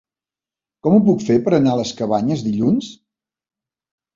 Com ho puc fer per anar a les Cabanyes dilluns?